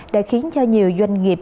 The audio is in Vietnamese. đã khiến cho nhiều doanh nghiệp